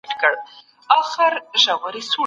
د یو شاعر غزلونه په مختلفو چاپونو کې توپیر لري.